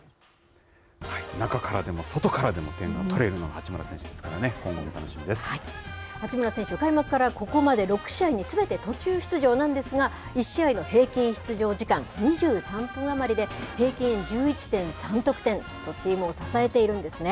中からでも外からでも点が取れるのが八村選手ですからね、今八村選手、開幕からここまで６試合にすべて途中出場なんですが、１試合の平均出場時間、２３分余りで、平均１１．３得点、チームを支えているんですね。